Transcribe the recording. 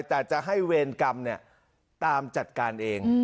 แต่จะให้เวรกรรมตามจัดการเอง